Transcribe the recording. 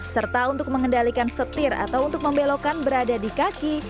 serta untuk mengendalikan setir atau untuk membelokan berada di kaki